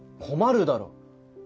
困るだろ！